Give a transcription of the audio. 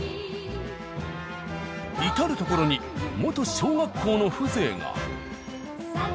至る所に元小学校の風情が。